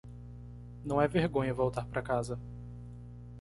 Não é vergonha voltar para casa.